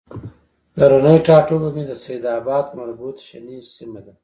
پلرنی ټاټوبی مې د سیدآباد مربوط شنیز سیمه ده